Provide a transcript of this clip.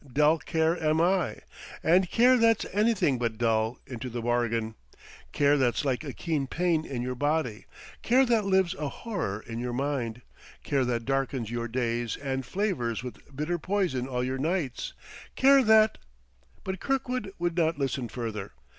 "Dull Care am I and Care that's anything but dull, into the bargain: Care that's like a keen pain in your body, Care that lives a horror in your mind, Care that darkens your days and flavors with bitter poison all your nights, Care that " But Kirkwood would not listen further.